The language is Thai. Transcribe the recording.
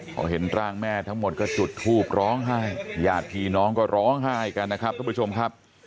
พอเห็นร่างแม่ทั้งหมดก็จุดทูบร้องไห้ญาติพี่น้องก็ร้องไห้กันนะครับทุกผู้ชมครับ